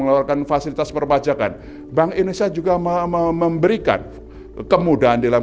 mengeluarkan fasilitas perpajakan bank indonesia juga memberikan kemudahan dalam